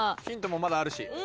ヒントもまだあるし。